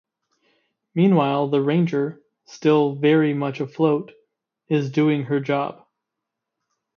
Meanwhile the Ranger, still very much afloat, is doing her job.